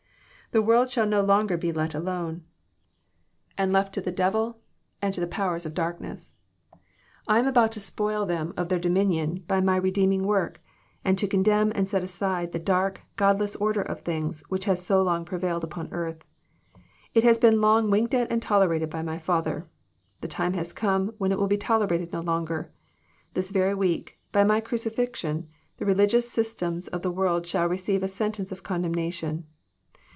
The world shsdl no longer be let alone, and left to the devil and the powers of JOHN, CHAP. xn. 353 darkness. I am about to spoil them of their dominion by my redeeming work, and to condemn and set aside the dark, godless order of things which has so long prevailed npon earth. It has been long winked at and tolerated by my Father. The time has come when it will be tolerated no longer. This very week, by my crucifixion, the religious systems of the world shall receive a sentence of condemnation."